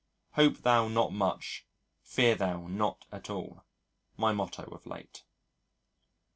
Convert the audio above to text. "Hope thou not much; fear thou not at all" my motto of late.